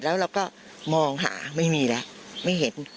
แล้วเราก็มองหาไม่มีแล้วไม่เห็น